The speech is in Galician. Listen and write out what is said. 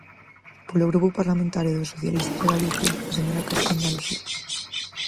Polo Grupo Parlamentario dos Socialistas de Galicia, a señora Castenda Loxilde.